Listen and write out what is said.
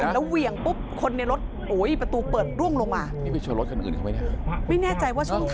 แล้วเวียงปุ๊บคนในรถโหม่ยประตูเปิดร่วงลงมา